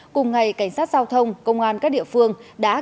cùng ngày cảnh sát giao thông công an các địa phương